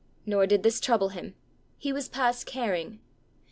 Nor did this trouble him he was past caring.